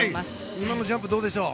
今のジャンプどうでしょう？